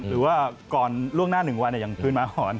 หรือว่าก่อนล่วงหน้า๑วันอย่างคืนมาหอน